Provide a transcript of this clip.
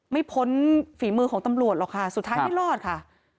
พ้นฝีมือของตำรวจหรอกค่ะสุดท้ายไม่รอดค่ะ